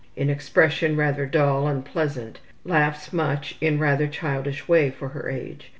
In expression rather dull and pleasant; laughs much in rather childish way for her age.